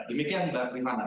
demikian mbak rimana